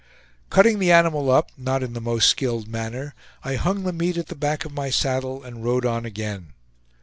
Cutting the animal up, not in the most skilled manner, I hung the meat at the back of my saddle, and rode on again.